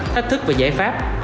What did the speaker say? thách thức và giải pháp